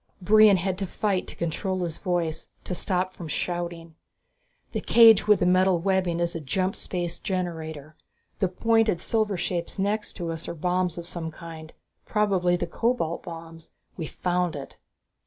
Brion had to fight to control his voice, to stop from shouting. "The cage with the metal webbing is a jump space generator. The pointed, silver shapes next to it are bombs of some kind, probably the cobalt bombs. We've found it!"